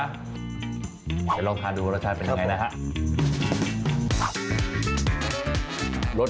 เราจะลองทานดูรสชาติเป็นอย่างไรนะครับครับผม